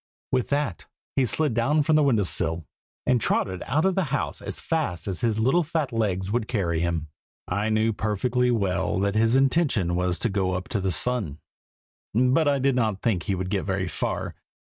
With that, he slid down from the window sill, and trotted out of the house as fast as his little fat legs would carry him. I knew perfectly well that his intention was to go up to the sun, but I did not think he would get very far.